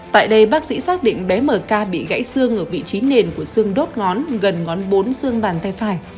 tại đây bác sĩ xác định bé mk bị gãy xương ở vị trí nền của xương đốt ngón gần ngón bốn xương bàn tay phải